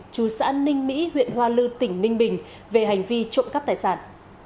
chú xã ninh mỹ huyện hoa lư tỉnh ninh bình về hành vi trộm cắp tài sản